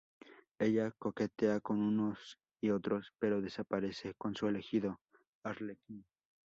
Ella coquetea con unos y otros, pero desaparece con su elegido, Arlequín.